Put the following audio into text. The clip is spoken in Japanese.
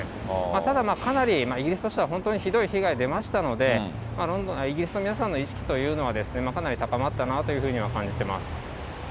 ただかなり、イギリスとしては本当にひどい被害が出ましたので、イギリスの皆さんの意識というのは、かなり高まったなというふうには感じてます。